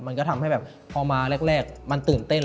มันก็ทำให้แบบพอมาแรกมันตื่นเต้น